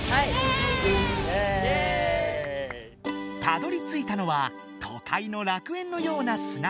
たどりついたのは都会の楽園のようなすなはま。